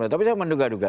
tapi saya menduga duga